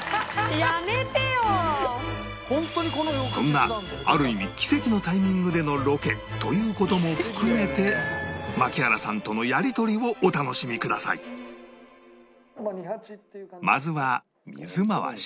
そんなある意味奇跡のタイミングでのロケという事も含めて槙原さんとのやり取りをまずは水回し